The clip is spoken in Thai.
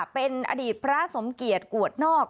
เป็นอดีตพระสมเกียจกวดนอก